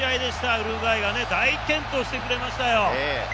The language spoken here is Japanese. ウルグアイが大健闘してくれましたよ。